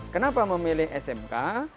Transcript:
kenapa memilih smk